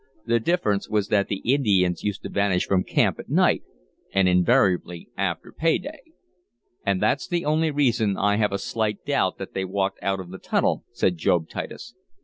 The difference was that the Indians used to vanish from camp at night, and invariably after pay day. "And that's the only reason I have a slight doubt that they walked out of the tunnel," said Job Titus.